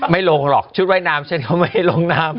ไม่ลงหรอกชุดว่ายน้ำฉันก็ไม่ให้ลงน้ำ